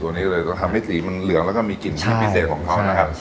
นี้เลยก็ทำให้สีมันเหลืองแล้วก็มีกลิ่นที่พิเศษของเขานะครับ